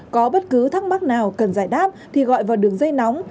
có bất cứ thắc mắc nào cần giải đáp thì gọi vào đường dây nóng